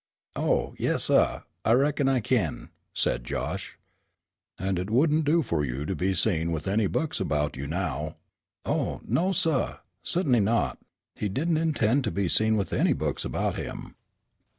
"Oh, yes, suh, I reckon I kin," said Josh. "And it wouldn't do for you to be seen with any books about you now." "Oh, no, suh, su't'n'y not." He didn't intend to be seen with any books about him.